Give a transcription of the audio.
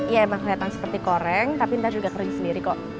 ya emang kelihatan seperti koreng tapi ntar juga kering sendiri kok